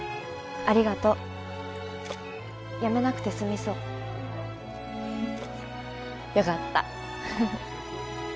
ありがとう辞めなくてすみそうよかった